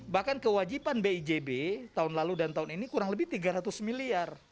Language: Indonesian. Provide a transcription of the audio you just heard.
bahkan kewajiban bijb tahun lalu dan tahun ini kurang lebih tiga ratus miliar